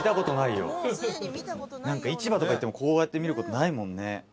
なんか市場とか行ってもこうやって見ることないもんね。